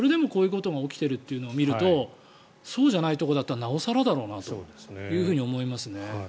それでも、こういうことが起きているのを見るとそうじゃないところだったらなお更だろうなと思いますね。